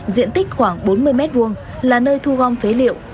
diện tích khoảng bốn mươi m hai là nơi thu gom phế liệu